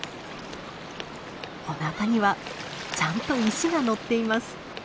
おなかにはちゃんと石がのっています。